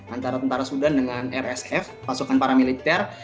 antara tentara sudan dengan rsf pasukan paramiliter